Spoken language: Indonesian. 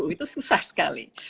itu susah sekali